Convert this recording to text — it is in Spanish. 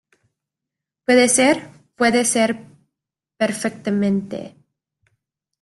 puede ser. puede ser perfectamente